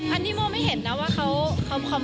อันนี้โมไม่เห็นนะว่าเขาคอมเมนต์อะไร